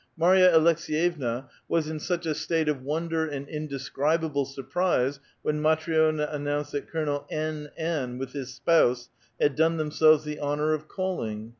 Mary a Aleks^vevna was in such a state of wonder and indescribable surprise when Matri6na announced that Colonel N N with his spouse had done themselves the honor of calling